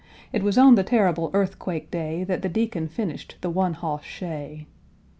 It was on the terrible Earthquake day That the Deacon finished the one hoss shay.